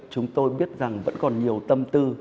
chúng tôi biết rằng vẫn còn nhiều tâm tư